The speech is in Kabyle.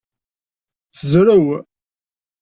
Tezrew.